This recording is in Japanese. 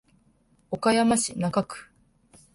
岡山市中区